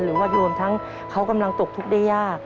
หรือว่ารวมทั้งเขากำลังตกทุกข์ได้ยาก